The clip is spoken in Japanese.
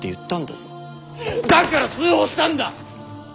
だから通報したんだ！